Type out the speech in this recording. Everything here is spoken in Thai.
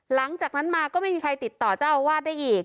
หลังจากนั้นมาก็ไม่มีใครติดต่อเจ้าอาวาสได้อีก